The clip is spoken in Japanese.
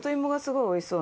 財前：おいしそう。